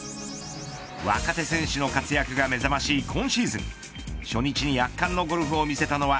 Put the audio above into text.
若手選手の活躍が目覚ましい今シーズン初日に圧巻のゴルフを見せたのは